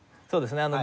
そうですね。